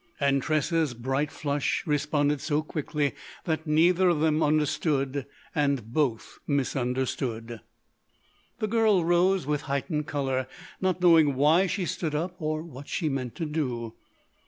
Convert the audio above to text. And Tressa's bright flush responded so quickly that neither of them understood, and both misunderstood. The girl rose with heightened colour, not knowing why she stood up or what she meant to do.